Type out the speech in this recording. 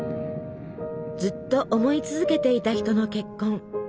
ずっと思い続けていた人の結婚。